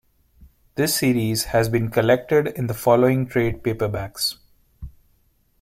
This series has been collected in the following trade paperbacks.